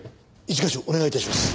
一課長お願い致します。